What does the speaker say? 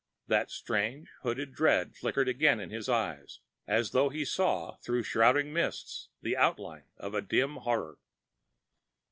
That strange, hooded dread flickered again in his eyes, as though he saw through shrouding mists the outline of dim horror.